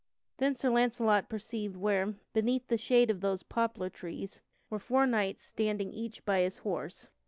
Then Sir Launcelot perceived where, beneath the shade of these poplar trees, were four knights standing each by his horse.